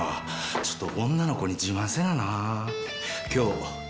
ちょっと女のコに自慢せななぁ。